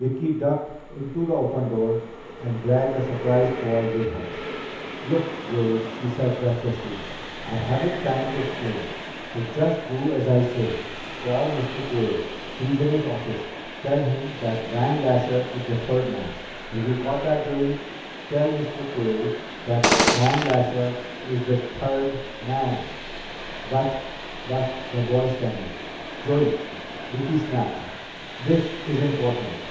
Vicki ducked into the open door, and dragged the surprised boy with her. "Look, Joey," she said breathlessly. "I haven't time to explain, so just do as I say. Call Mr. Quayle. He's in his office. Tell him that Van Lasher is the third man. Have you got that, Joey? Tell Mr. Quayle that Van Lasher is the third man!" "But but " the boy stammered. "Joey!" Vicki snapped. "This is important!